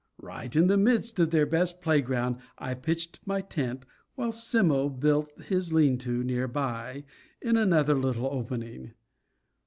Right in the midst of their best playground I pitched my tent, while Simmo built his lean to near by, in another little opening.